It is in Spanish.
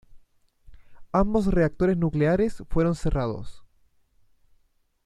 Ambos reactores nucleares fueron cerrados.